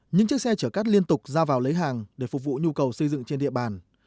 những chiếc xe chở cắt liên tục ra vào lấy hàng để phục vụ nhu cầu xây dựng trên địa bàn